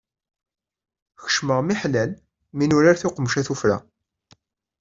Kecmeɣ miḥlal mi nurar tuqemca tuffra.